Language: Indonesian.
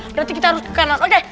berarti kita harus ke kanan oke